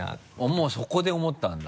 もうそこで思ったんだ？